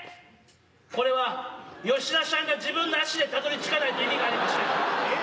これは吉田しゃんが自分の足でたどりちゅかないと意味がありましぇん。